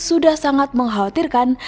sudah sangat mengkhawatirkan